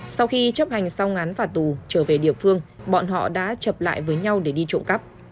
sau khi chấp hành xong án phạt tù trở về địa phương bọn họ đã chập lại với nhau để đi trộm cắp